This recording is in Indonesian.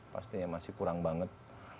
pastinya masih kurang banget